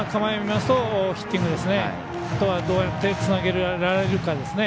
あとはどうやってつなげられるかですね。